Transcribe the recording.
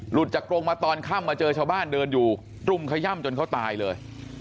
จากกรงมาตอนค่ำมาเจอชาวบ้านเดินอยู่ตรุมขย่ำจนเขาตายเลย